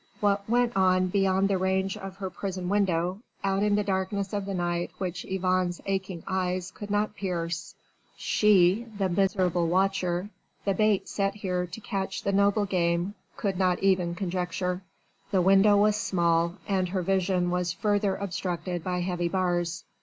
What went on beyond the range of her prison window out in the darkness of the night which Yvonne's aching eyes could not pierce she, the miserable watcher, the bait set here to catch the noble game, could not even conjecture. The window was small and her vision was further obstructed by heavy bars.